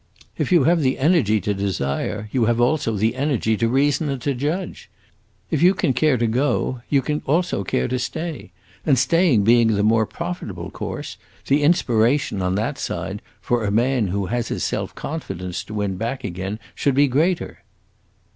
If you have the energy to desire, you have also the energy to reason and to judge. If you can care to go, you can also care to stay, and staying being the more profitable course, the inspiration, on that side, for a man who has his self confidence to win back again, should be greater."